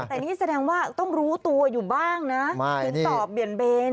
แต่นี่แสดงว่าต้องรู้ตัวอยู่บ้างนะถึงตอบเบียนเบน